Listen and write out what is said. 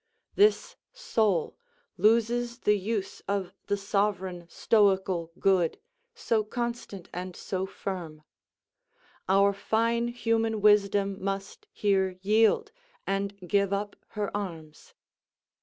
This soul loses the use of the sovereign stoical good, so constant and so firm. Our fine human wisdom must here yield, and give up her arms.